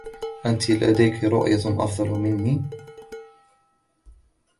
أنتَ لديكَ رؤية أفضل منى ؟